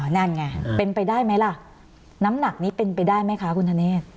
นั่นไงเป็นไปได้ไหมล่ะน้ำหนักนี้เป็นไปได้ไหมคะคุณธเนธ